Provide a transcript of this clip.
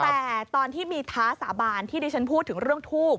แต่ตอนที่มีท้าสาบานที่ดิฉันพูดถึงเรื่องทูบ